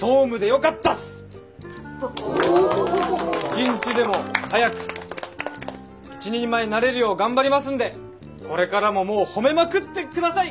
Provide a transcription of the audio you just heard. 一日でも早く一人前になれるよう頑張りますんでこれからももう褒めまくって下さい！